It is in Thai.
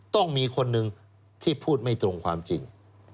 ต้องมีคนหนึ่งที่พูดไม่ตรงความจริง